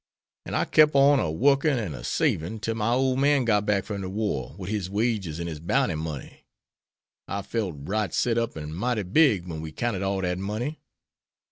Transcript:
An' I kep' on a workin' an' a savin' till my ole man got back from de war wid his wages and his bounty money. I felt right set up an' mighty big wen we counted all dat money.